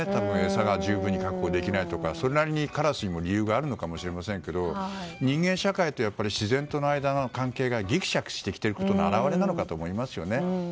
餌が十分に確保できないとかそれなりにカラスにも理由があるのかもしれませんけれども人間社会と自然との間の関係がぎくしゃくしてきていることの表れなのかなと思いますよね。